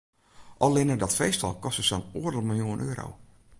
Allinne dat feest al koste sa'n oardel miljoen euro.